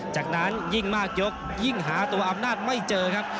จากนั้นยิ่งมากยกยิ่งหาตัวอำนาจไม่เจอครับ